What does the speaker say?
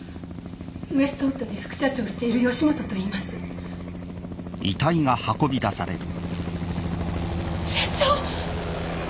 ウエストウッドで副社長をしている吉本といいます社長！